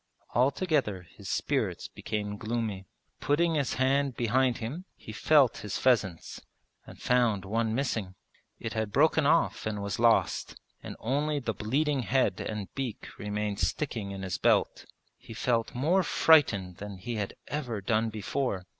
Altogether his spirits became gloomy. Putting his hand behind him he felt his pheasants, and found one missing. It had broken off and was lost, and only the bleeding head and beak remained sticking in his belt. He felt more frightened than he had ever done before.